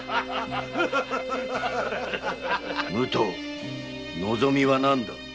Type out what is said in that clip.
武藤望みは何だ。